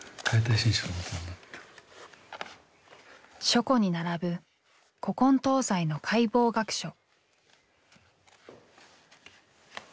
書庫に並ぶ古今東西の解剖学書。